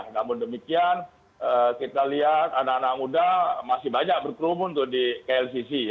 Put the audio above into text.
namun demikian kita lihat anak anak muda masih banyak berkerumun tuh di klcc